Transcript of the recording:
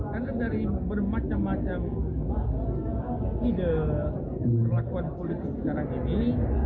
karena dari bermacam macam ide perlakuan politik sekarang ini